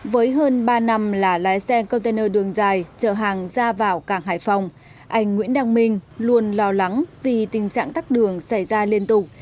với hơn ba năm là lái xe container đường dài chở hàng ra vào cảng hải phòng anh nguyễn đăng minh luôn lo lắng vì tình trạng tắt đường xảy ra liên tục